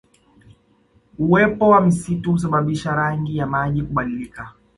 Uwepo wa misitu husababisha rangi ya maji kubadilika